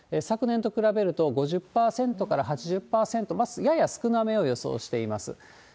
昨年と比べると５０％から８０％、やや少なめを予想しています。